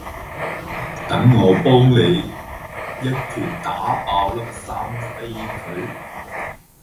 等我幫你一拳打爆粒生痱佢